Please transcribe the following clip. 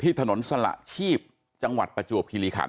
ถนนสละชีพจังหวัดประจวบคิริขัน